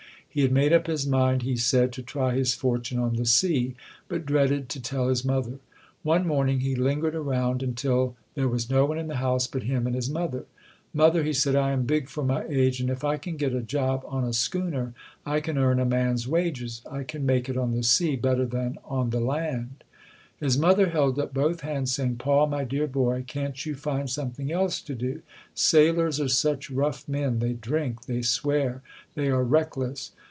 He had made up his mind, he said, to try his fortune on the sea, but dreaded to tell his mother. One morning he lingered around until there was no one in the house but him and his mother. "Mother", he said, "I am big for my age, and if I can get a job on a schooner, I can PAUL CUFFE [251 earn a man's wages. I can make it on the sea better than on the land." 1 His mother held up both hands, saying, "Paul, my dear boy, can't you find something else to do? Sailors are such rough men. They drink, they swear, they are reckless".